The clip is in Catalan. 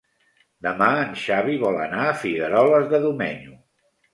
Demà en Xavi vol anar a Figueroles de Domenyo.